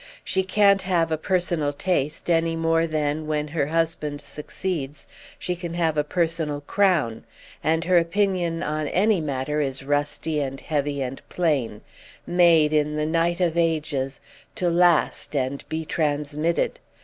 She can't have a personal taste any more than, when her husband succeeds, she can have a personal crown, and her opinion on any matter is rusty and heavy and plain—made, in the night of ages, to last and be transmitted.